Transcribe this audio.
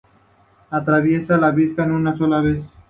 Atraviesa la bicapa una sola vez.